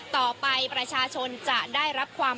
ต่อไปประชาชนจะได้รับความ